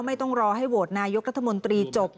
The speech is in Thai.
ไม่ต้องรอให้โหวตนายกรัฐมนตรีจบ